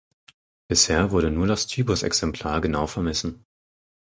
Bisher wurde nur das Typusexemplar genau vermessen.